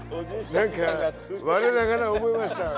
何か我ながら思いました。